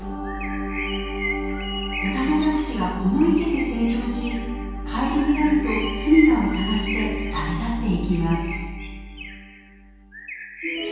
オタマジャクシはこの池で成長しカエルになると住みかを探して旅立っていきます。